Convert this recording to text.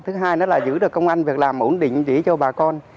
thứ hai là giữ được công an việc làm ổn định giữ cho bà con